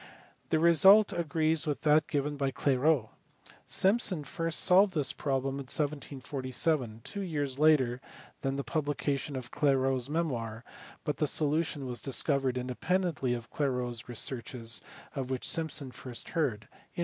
The result agrees with that given by Clairaut. Simpson first solved this problem in 1747, two years later than the publication of Clairaut s memoir, but the solution was discovered independently of Clairaut s researches of which Simpson first heard in 1748.